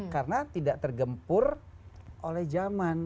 karena tidak tergempur oleh zaman